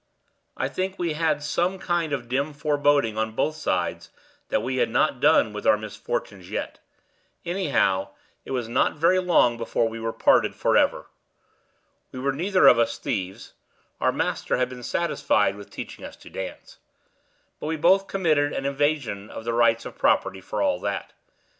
"I think we had some kind of dim foreboding on both sides that we had not done with our misfortunes yet; anyhow, it was not very long before we were parted forever. We were neither of us thieves (our master had been satisfied with teaching us to dance); but we both committed an invasion of the rights of property, for all that.